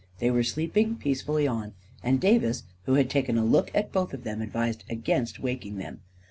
They were sleeping peacefully on, and Davis, who had taken a look at both of them, advised against awakening them.